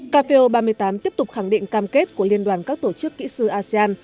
cafeo ba mươi tám tiếp tục khẳng định cam kết của liên đoàn các tổ chức kỹ sư asean